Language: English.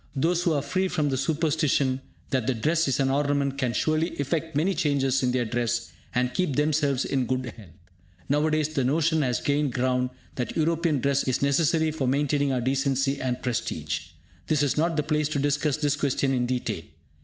Those who are free from the superstition that dress is an ornament can surely effect many changes in their dress, and keep themselves in good health. Now a days the notion has gained ground that European dress is necessary for maintaining our decency and prestige! This is not the place to discuss this question in detail.